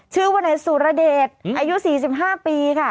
ชื่อว่านายสุรเดชอายุ๔๕ปีค่ะ